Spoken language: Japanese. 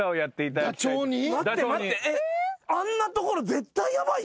あんな所絶対ヤバいじゃん。